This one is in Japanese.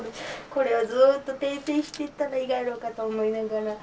これをずーっと訂正していったらいいがやろかと思いながら。